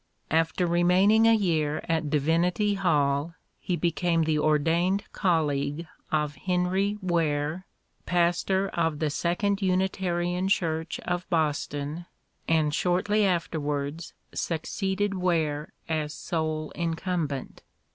After remain ing a year at Divinity Hall he became the ordained colleague of Henry Ware, pastor of the second Unitarian Church of Boston, and shortly after wards succeeded Ware as sole incumbent.